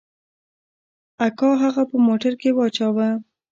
اکا هغه په موټر کښې واچاوه.